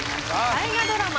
大河ドラマ